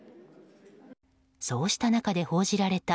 そうした中で報じられた